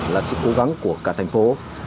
là sự cố gắng của cả thành phố